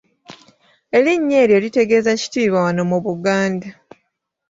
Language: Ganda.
Erinnya eryo litegeeza kitiibwa wano mu Buganda.